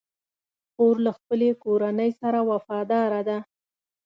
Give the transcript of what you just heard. خور له خپلې کورنۍ سره وفاداره ده.